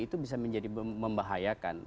itu bisa menjadi membahayakan